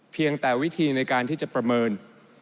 เพียงแต่วิธีในการที่จะประเมิน